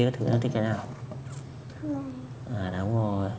đúng không đẹp không